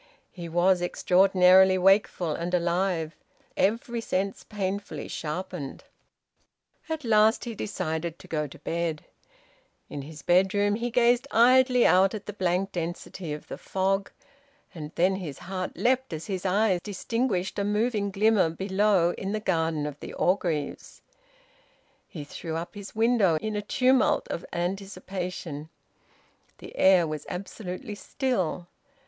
He was extraordinarily wakeful and alive, every sense painfully sharpened. At last he decided to go to bed. In his bedroom he gazed idly out at the blank density of the fog. And then his heart leapt as his eye distinguished a moving glimmer below in the garden of the Orgreaves. He threw up the window in a tumult of anticipation. The air was absolutely still.